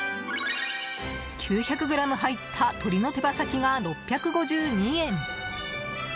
９００ｇ入った鶏の手羽先が６５２円。